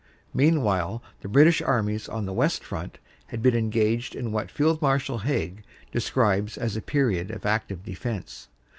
Meanwhile the British armies on the West Front had been engaged in what Field Marshal Haig describes as a period of active defense.